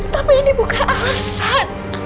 tapi ini bukan alasan